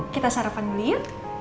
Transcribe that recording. kita sarapan dulu ya